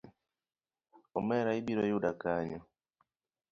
Omera ibiro yuda kanyo.